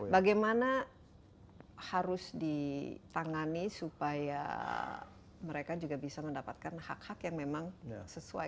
bagaimana harus ditangani supaya mereka juga bisa mendapatkan hak hak yang memang sesuai